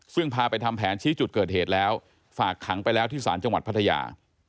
ซึ่งพาไปทำแผนชี้จุดเกิดเหตุแล้วฝากขังไปแล้วที่ศาลจังหวัดพัทยา